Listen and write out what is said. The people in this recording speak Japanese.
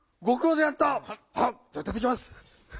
ではいただきます！